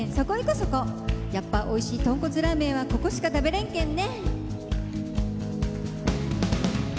そこやっぱおいしいトンコツラーメンはここしか食べれんけんね。